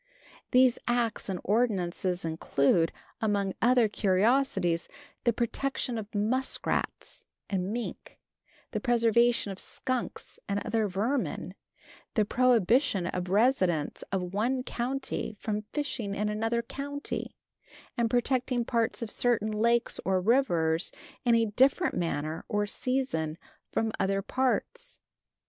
These acts and ordinances include, among other curiosities, the protection of muskrats and mink, the preservation of skunks and other vermin, the prohibition of residents of one county from fishing in another county, and protecting parts of certain lakes or rivers in a different manner or season from other parts.